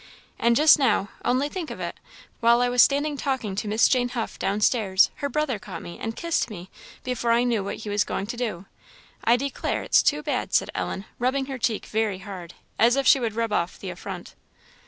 And just now only think of it! while I was standing talking to Miss Jane Huff, downstairs, her brother caught me, and kissed me, before I knew what he was going to do. I declare it's too bad!" said Ellen, rubbing her cheek very hard, as if she would rub off the affront.